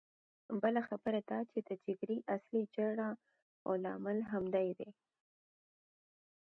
بله خبره دا چې د جګړې اصلي جرړه او لامل همدی دی.